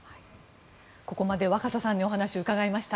ここまで若狭さんにお話を伺いました。